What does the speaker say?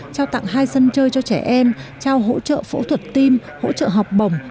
trao tặng hai sân chơi cho trẻ em trao hỗ trợ phẫu thuật tim hỗ trợ học bổng